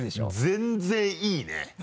全然いいね。